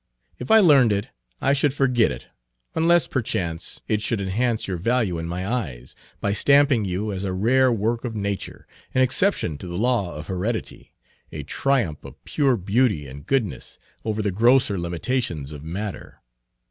If I learned it, I should forget it, unless, perchance, it should enhance your Page 34 value in my eyes, by stamping you as a rare work of nature, an exception to the law of heredity, a triumph of pure beauty and goodness over the grosser limitations of matter.